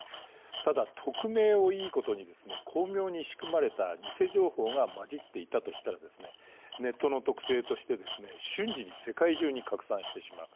ただ匿名をいいことに巧妙に仕組まれた偽情報がまじっていたとしたらネットの特性として瞬時に世界中に拡散してしまう。